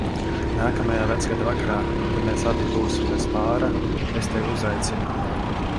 Nākamajā Vecgada vakarā, ja mēs abi būsim bez pāra, es tevi uzaicinu.